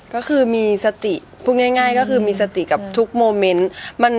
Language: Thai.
ก็คือมีสติพูดง่ายก็คือมีสติกับทุกโมเมนต์